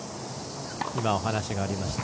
今、お話がありました